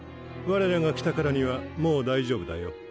われらが来たからにはもう大丈夫だよ。